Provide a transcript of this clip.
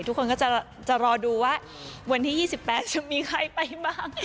ทุกคนก็จะรอดูว่าวันที่๒๘จะมีใครไปบ้าง